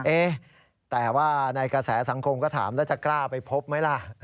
เอ๊ะแต่ว่าในกระแสสังคมก็ถามแล้วจะกล้าไปพบไหมล่ะ